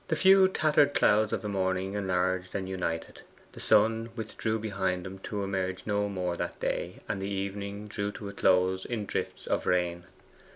The few tattered clouds of the morning enlarged and united, the sun withdrew behind them to emerge no more that day, and the evening drew to a close in drifts of rain.